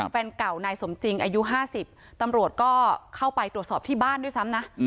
แฟนเก่านายสมจริงอายุ๕๐ตำรวจก็เข้าไปตรวจสอบที่บ้านด้วยซ้ำนะ